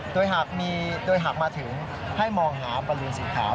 โดยหากมาถึงให้มองหาประลูนสีขาว